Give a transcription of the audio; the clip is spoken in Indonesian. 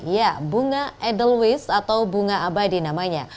ya bunga edelweiss atau bunga abadi namanya